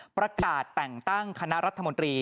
ประกาศแต่งตั้งคณะรัฐมนตรี